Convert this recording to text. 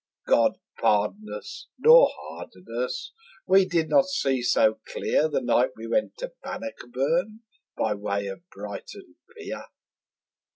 God pardon us, nor harden us; we did not see so clear The night we went to Bannockburn by way of Brighton Pier.